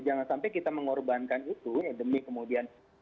jangan sampai kita mengorbankan itu ya demi kemudian